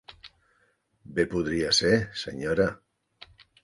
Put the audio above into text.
Bé podria ser, senyora;